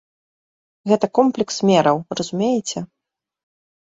Гэта комплекс мераў, разумееце?